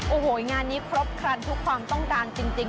โอ้โหงานนี้ครบครันทุกความต้องการจริง